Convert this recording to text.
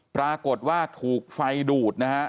ปรากฏว่าถูกไฟดูดนะฮะ